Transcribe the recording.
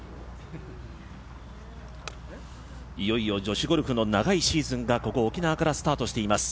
いよいよ女子ゴルフの長いシーズンがここ、沖縄からスタートしています